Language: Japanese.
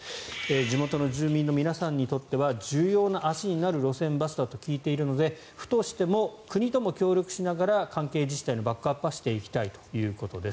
地元の住民の皆さんにとっては重要な足になる路線バスだと聞いているので府としても国とも協力しながら関係自治体のバックアップはしていきたいということです。